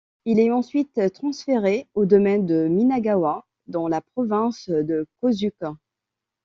Il est ensuite transféré au domaine de Minagawa dans la province de Kōzuke.